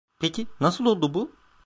Peki, nasıl oldu bu?